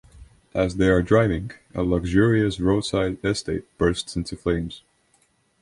As they are driving, a luxurious roadside estate bursts into flames.